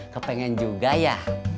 kepengen juga ya